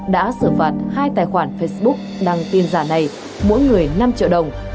đã xử phạt hai tài khoản facebook đăng tin giả này mỗi người năm triệu đồng